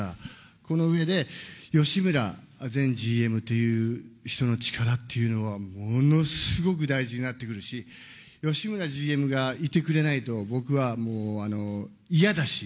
この上で吉村前ＧＭという人の力っていうのはものすごく大事になってくるし、吉村ＧＭがいてくれないと、僕は嫌だし。